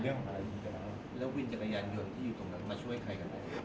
แล้ววินจังงงานเดียวที่อยู่ตรงนั้นมาช่วยใคร